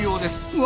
うわ！